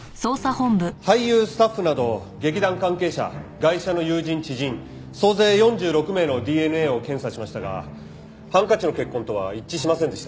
俳優スタッフなど劇団関係者ガイシャの友人知人総勢４６名のＤＮＡを検査しましたがハンカチの血痕とは一致しませんでした。